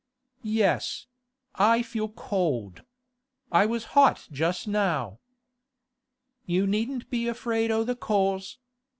'Yes; I feel cold. I was hot just now.' 'You needn't be afraid o' the coals.